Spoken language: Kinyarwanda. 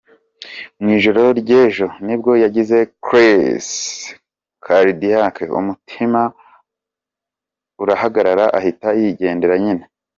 Mu ijoro ry’ejo nibwo yagize crise caridiac, umutima urahagarara ahita yigendera nyine.